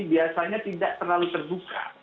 biasanya tidak terlalu terbuka